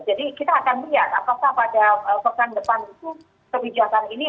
jadi kita akan lihat apakah pada pekan depan itu kebijakan ini